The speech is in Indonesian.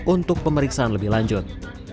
untuk pemeriksaan lebih lanjut